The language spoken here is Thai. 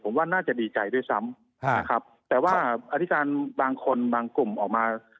ผมว่าน่าจะดีใจด้วยซ้ำนะครับแต่ว่าอธิการบางคนบางกลุ่มออกมา